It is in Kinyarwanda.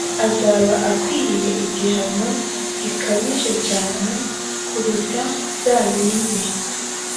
azaba akwiriye igihano gikabije cyane kuruta byabindi